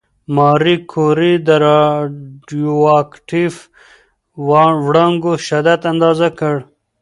ماري کوري د راډیواکټیف وړانګو شدت اندازه کړ.